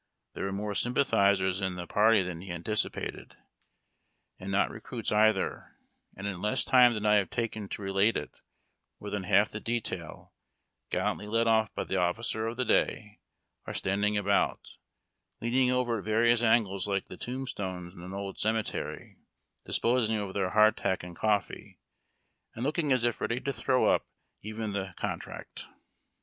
Tliere are more sympathizers in the JONAHS AND BEATS. 107 party than he had anticipated, and not recruits either ; and in less time than I have taken to relate it more than half the detail, gallantly led off by the officer of the day, are standing about, leaning over at various angles like the tomb stones in an old cemetery, disposing of their hardtack and coffee, and looking as if ready to throw up even the con IIUUKAH WITHOUT THE H." tract.